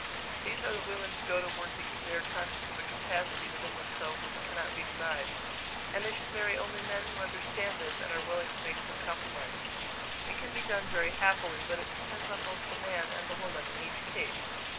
These are the women who go to work because they are conscious of a capacity within themselves which cannot be denied, and they should marry only men who understand this and are willing to make some compromises. It can be done very happily, but it depends on both the man and the woman in each case.